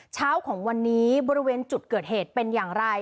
เช้าของวันนี้บริเวณจุดเกิดเหตุเป็นอย่างไร